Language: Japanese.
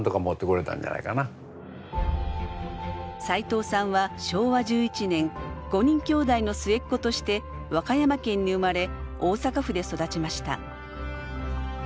さいとうさんは昭和１１年５人きょうだいの末っ子として和歌山県に生まれ大阪府で育ちました。